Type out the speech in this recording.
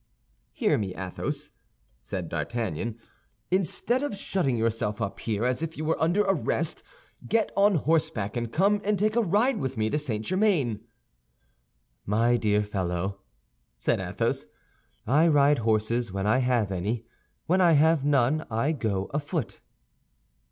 "Hear me, Athos," said D'Artagnan. "Instead of shutting yourself up here as if you were under arrest, get on horseback and come and take a ride with me to St. Germain." "My dear fellow," said Athos, "I ride horses when I have any; when I have none, I go afoot."